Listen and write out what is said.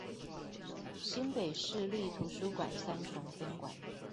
新北市立圖書館三重分館